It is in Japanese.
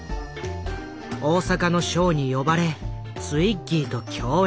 大阪のショーに呼ばれツイッギーと共演。